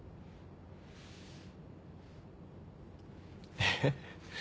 えっ？